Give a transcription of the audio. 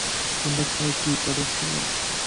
কিন্তু সে কী করেছিল?